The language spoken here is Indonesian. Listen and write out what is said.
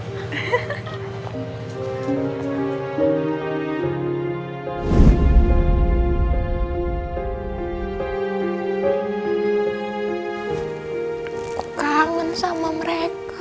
aku kangen sama mereka